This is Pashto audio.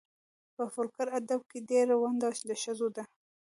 په فولکور ادب کې ډېره ونډه د ښځو ده.